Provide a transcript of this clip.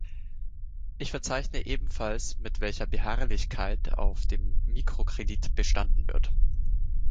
Ich verzeichne ebenfalls, mit welcher Beharrlichkeit auf dem Mikrokredit bestanden wird.